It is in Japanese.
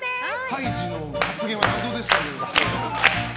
ハイジの発言は謎でしたけども。